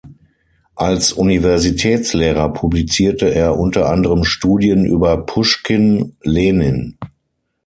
Als Universitätslehrer publizierte er unter anderem Studien über Puschkin, Lenin.